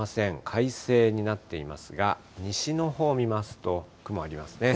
快晴になっていますが、西のほうを見ますと、雲ありますね。